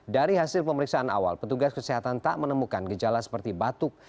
dari hasil pemeriksaan awal petugas kesehatan tak menemukan gejala seperti batuk